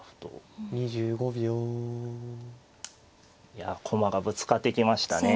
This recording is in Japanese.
いや駒がぶつかってきましたね